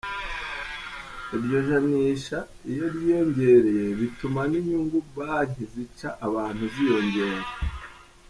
Iryo janisha iyo ryiyongereye bituma n’inyungu banki zica abantu ziyongera.